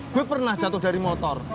gue pernah jatuh dari motor